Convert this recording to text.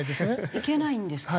いけないんですか？